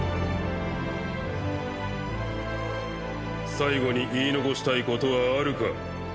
最期に言い残したいことはあるか？